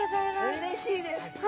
うれしいです。